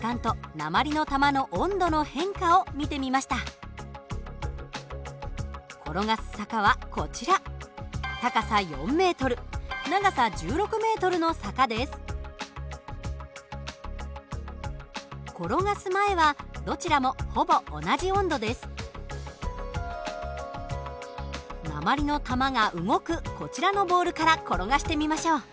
鉛の玉が動くこちらのボールから転がしてみましょう。